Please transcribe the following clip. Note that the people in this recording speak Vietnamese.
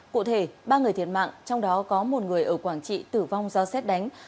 cụ thể ba người thiệt mạng trong đó có một người ở quảng trị tử vong do xét đánh